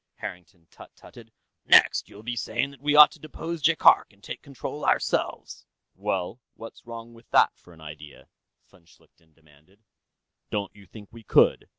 Harrington tut tutted. "Next, you'll be saying that we ought to depose Jaikark and take control ourselves." "Well, what's wrong with that, for an idea?" von Schlichten demanded. "Don't you think we could?